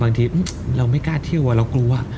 บางทีเราไม่กล้าเที่ยวเรากลัว